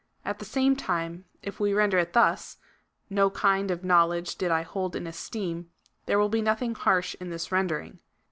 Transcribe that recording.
At the same time, if we render it thus —" No kind of know ledge did I hold in esteem," there will be nothing harsh in this rendering.